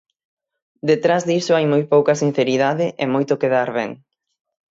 Detrás diso hai moi pouca sinceridade e moito quedar ben.